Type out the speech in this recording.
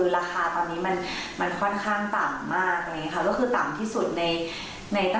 ชาวสวดเกษตรกรชาวสวดรำไยและทุกคนเลยอะค่ะ